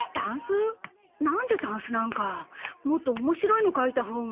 なんでタンスなんかもっと面白いの描いたほうが。